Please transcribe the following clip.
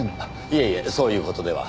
いえいえそういう事では。